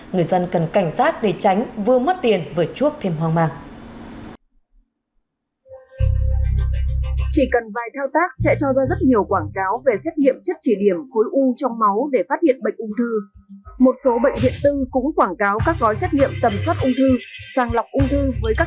người dân cần cảnh sát để tránh vừa mất tiền vừa chuốc thêm hoang mạc